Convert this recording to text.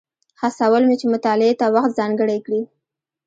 هڅول مې چې مطالعې ته وخت ځانګړی کړي.